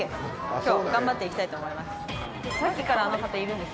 今日頑張って行きたいと思います。